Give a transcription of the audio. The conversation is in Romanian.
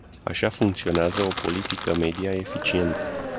Așa funcționează o politică media eficientă.